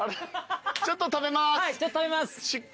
ちょっと食べます。